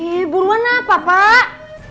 eh buruan apa pak